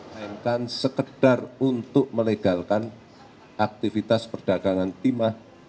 melainkan sekedar untuk melegalkan aktivitas perdagangan timah